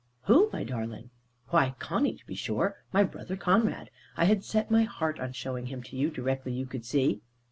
"Who, my darling?" "Why, Conny, to be sure. My brother Conrad. I had set my heart on showing him to you, directly you could see."